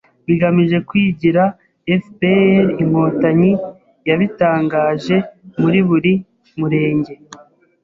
bigamije kwigira; FPR innkotanyi yabitangaje muri buri murenge